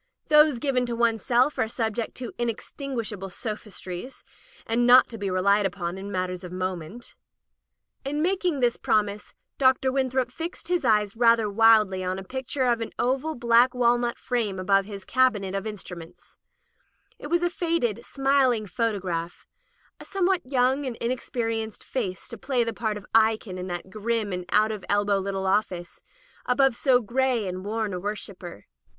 Those given to one's self are sub ject to inextinguishable sophistries, and not to be relied upon in matters of moment. In making this promise. Dr. Winthrop fixed his eyes rather wildly on a picture in an oval black walnut frame above his cabinet of in Digitized by LjOOQ IC At Ephesus struments. It was a faded, smiling photo graph — 2, somewhat young and inexperienced face to play the part of Eikon in that grim and out at elbow little office, above so gray and worn a worshipper.